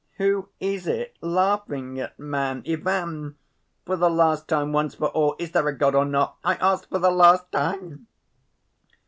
Who is it laughing at man? Ivan! For the last time, once for all, is there a God or not? I ask for the last time!"